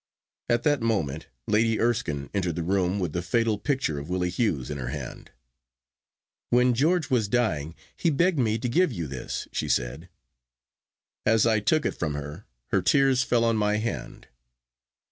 At that moment Lady Erskine entered the room with the fatal picture of Willie Hughes in her hand. 'When George was dying he begged me to give you this,' she said. As I took it from her, her tears fell on my hand.